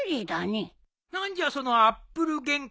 何じゃそのアップル玄関というのは？